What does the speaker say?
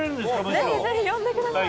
ぜひぜひ呼んでください。